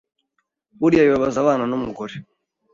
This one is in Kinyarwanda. Buriya bibabaza abana n’umugore